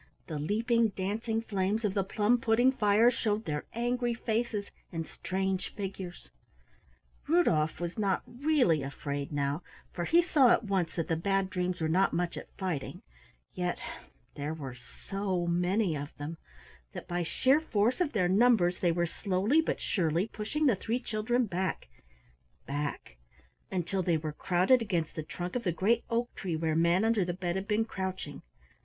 The leaping dancing flames of the plum pudding fire showed their angry faces and strange figures. Rudolf was not really afraid now, for he saw at once that the Bad Dreams were not much at fighting, yet there were so many of them that by sheer force of their numbers they were slowly but surely pushing the three children back, back, until they were crowded against the trunk of the great oak tree where Manunderthebed had been crouching.